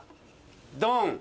ドン！